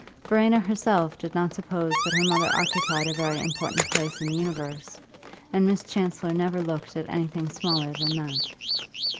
Verena herself did not suppose that her mother occupied a very important place in the universe; and Miss Chancellor never looked at anything smaller than that.